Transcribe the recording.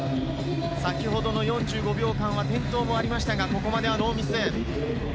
先ほどの４５秒間は転倒もありましたが、ここまではノーミス。